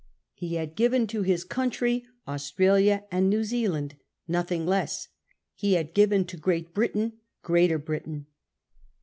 He had given to his country Australia and New Zealand — nothing less; he haxl given to Great Britain Greater Britain.